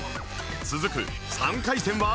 続く３回戦は